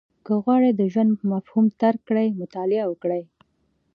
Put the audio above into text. • که غواړې د ژوند مفهوم درک کړې، مطالعه وکړه.